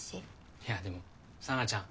いやでも沙奈ちゃん